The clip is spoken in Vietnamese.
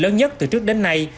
lớn nhất từ trước đến nay